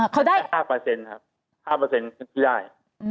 ๕ครับ๕ที่ได้